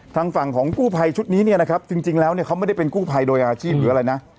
ทางฝั่งของกู้ภัยชุดนี้เนี่ยนะครับจริงแล้วเนี่ยเขาไม่ได้เป็นกู้ภัยโดยอาชีพหรืออะไรนะ